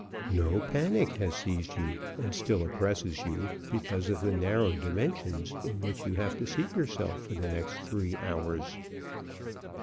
No panic has seized you, and still oppresses you, because of the narrow dimensions in which you have to seat yourself for the next three hours.